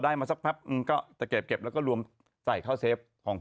ได้มาซักคราบก็เก็บแล้วก็รวมใส่เข้าเซเฟ่น